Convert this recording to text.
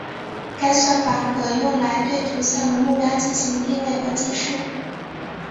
该算法可用来对图像的目标进行定位和计数。